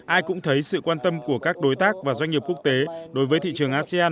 ai cũng thấy sự quan tâm của các đối tác và doanh nghiệp quốc tế đối với thị trường asean